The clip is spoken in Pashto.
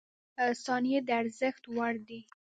• ثانیې د ارزښت وړ دي.